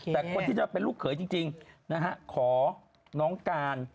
แต่คนที่จะเป็นลูกเขยจริงนะฮะขอน้องการ